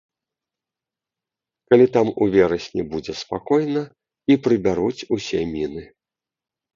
Калі там у верасні будзе спакойна і прыбяруць усе міны.